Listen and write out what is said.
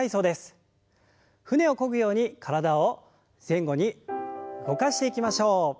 舟をこぐように体を前後に動かしていきましょう。